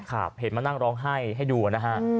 ครับเห็นมานั่งร้องไห้ให้ดูนะฮะ